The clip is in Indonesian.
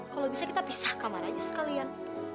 kalau bisa kita pisah kamar aja sekalian